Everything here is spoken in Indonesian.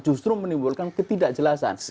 justru menimbulkan ketidakjelasan